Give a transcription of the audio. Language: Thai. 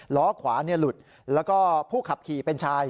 ล้อขวาหลุดแล้วก็ผู้ขับขี่เป็นชาย